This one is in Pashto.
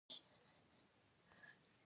د نساجۍ ماشینونه د اصنافو له لوري منع شوي وو.